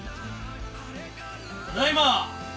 ただいま！